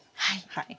はい。